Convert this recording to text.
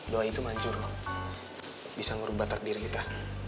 doa itu manjur loh bisa ngerubah takdir kita